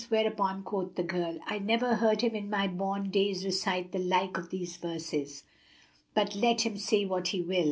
whereupon quoth the girl, "I never heard him in my born days recite the like of these verses; but let him say what he will."